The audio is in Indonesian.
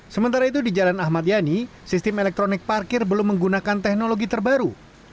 sementara itu di jalan ahmad yani sistem elektronik parkir belum menggunakan teknologi terbaru